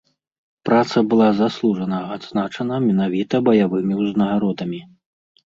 Праца была заслужана адзначана менавіта баявымі ўзнагародамі.